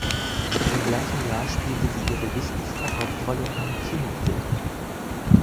Im gleichen Jahr spielte sie ihre wichtigste Hauptrolle in einem Kinofilm.